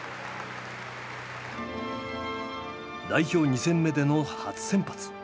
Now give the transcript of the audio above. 代表２戦目での初先発。